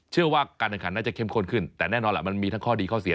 การแข่งขันน่าจะเข้มข้นขึ้นแต่แน่นอนล่ะมันมีทั้งข้อดีข้อเสีย